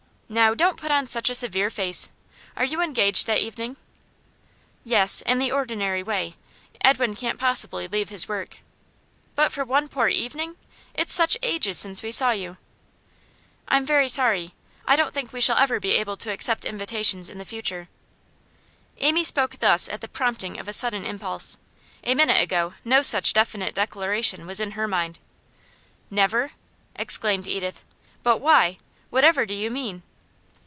Now, don't put on such a severe face! Are you engaged that evening?' 'Yes; in the ordinary way. Edwin can't possibly leave his work.' 'But for one poor evening! It's such ages since we saw you.' 'I'm very sorry. I don't think we shall ever be able to accept invitations in future.' Amy spoke thus at the prompting of a sudden impulse. A minute ago, no such definite declaration was in her mind. 'Never?' exclaimed Edith. 'But why? Whatever do you mean?